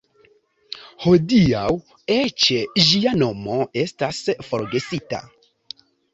Hodiaŭ eĉ ĝia nomo estas forgesita.